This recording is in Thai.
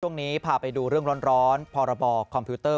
ช่วงนี้พาไปดูเรื่องร้อนพรบคอมพิวเตอร์